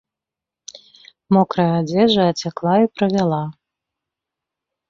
Мокрая адзежа ацякла і правяла.